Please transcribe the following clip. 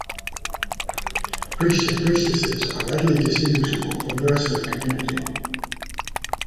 Priests and priestesses are readily distinguishable from the rest of the community.